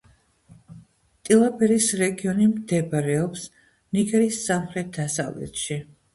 ტილაბერის რეგიონი მდებარეობს ნიგერის სამხრეთ-დასავლეთში.